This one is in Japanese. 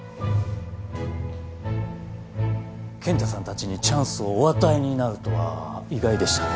健太さんたちにチャンスをお与えになるとは意外でした。